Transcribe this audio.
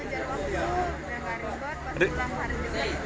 ya ngejar waktu nggak ribet pas pulang hari juga